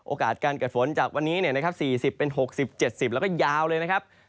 โอกาสการเกิดฝนจากวันนี้๔๐เป็น๖๐๗๐แล้วก็ยาวเลยนะครับ